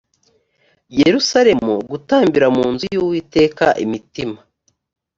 yerusalemu gutambira mu nzu y uwiteka imitima